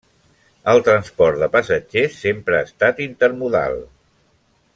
El transport de passatgers sempre ha estat intermodal.